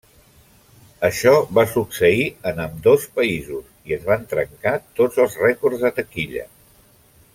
Això va succeir en ambdós països, i es van trencar tots els rècords de taquilla.